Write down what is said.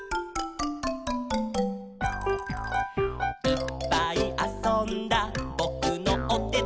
「いっぱいあそんだぼくのおてて」